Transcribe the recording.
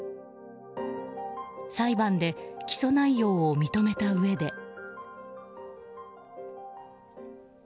裁判で起訴内容を認めたうえで。